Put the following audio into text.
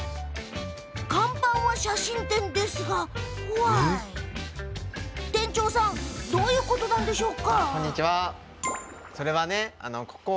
看板は写真店なんですけど店長さんどういうことでしょう？